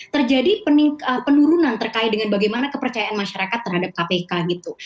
terjadi penurunan terkait dengan bagaimana kepercayaan masyarakat terhadap kpk gitu